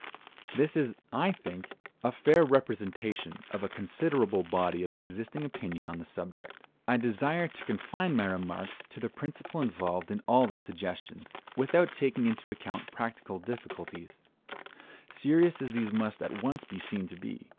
This is, I think, a fair representation of a considerable body of existing opinion on the subject. I desire to confine my remarks to the principle involved in all these suggestions, without taking into account practical difficulties, serious as these must at once be seen to be.